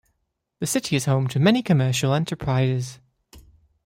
The city is home to many commercial enterprises.